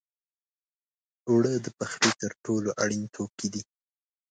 اوړه د پخلي تر ټولو اړین توکي دي